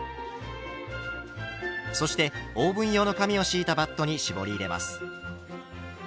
そしてオーブン用の紙を敷いたバットに絞り入れます。